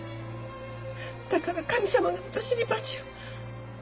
だから神様が私に罰を。